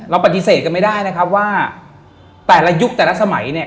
ปฏิเสธกันไม่ได้นะครับว่าแต่ละยุคแต่ละสมัยเนี่ย